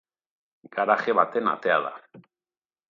Garaje baten atea da.